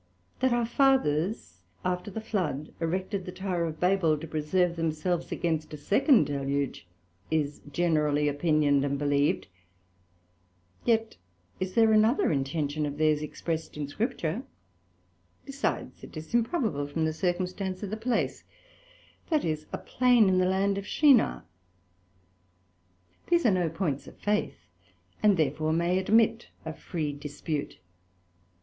That our Fathers, after the Flood, erected the Tower of Babel to preserve themselves against a second Deluge, is generally opinioned and believed, yet is there another intention of theirs expressed in Scripture: Besides, it is improbable from the circumstance of the place, that is, a plain in the Land of Shinar: These are no points of Faith, and therefore may admit a free dispute.